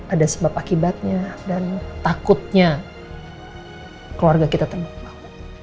ada sebab akibatnya dan takutnya keluarga kita terbukt bukt